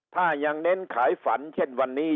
ถ้ายังเน้นขายฝันเช่นวันนี้